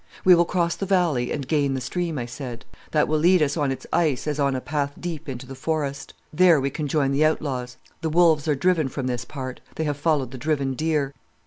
"'We will cross the valley and gain the stream,' I said. 'That will lead us on its ice as on a path deep into the forest. There we can join the outlaws. The wolves are driven from this part. They have followed the driven deer.